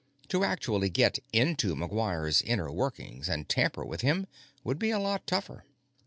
To actually get into McGuire's inner workings and tamper with him would be a lot tougher.